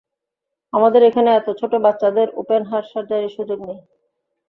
আমাদের এখানে এত ছোট বাচ্চাদের ওপেন হার্ট সাজারির সুযোগ নেই।